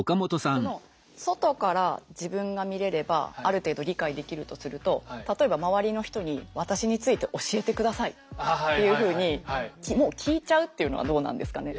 その外から自分が見れればある程度理解できるとすると例えば周りの人に私について教えてくださいっていうふうにもう聞いちゃうっていうのはどうなんですかね？